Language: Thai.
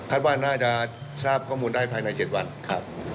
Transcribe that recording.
ว่าน่าจะทราบข้อมูลได้ภายใน๗วันครับ